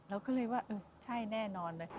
เราก็เลยว่าเออใช่แน่นอนเลย